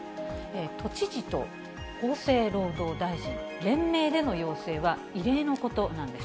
都知事と厚生労働大臣連名での要請は異例のことなんです。